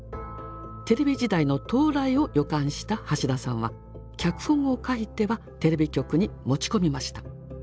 テレビ時代の到来を予感した橋田さんは脚本を書いてはテレビ局に持ち込みました。